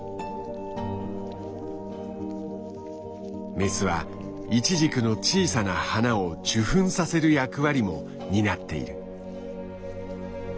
メスはイチジクの小さな花を受粉させる役割も担っている。